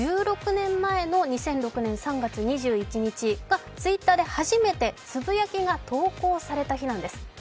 １６年前の２００６年３月２１日がＴｗｉｔｔｅｒで初めてつぶやきが投稿された日なんです。